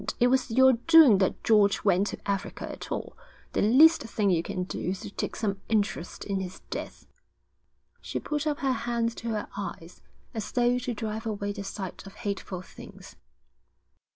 It was your doing that George went to Africa at all. The least thing you can do is to take some interest in his death.' She put up her hands to her eyes, as though to drive away the sight of hateful things.